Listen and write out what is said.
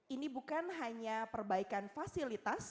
ini bukan hanya perbaikan fasilitas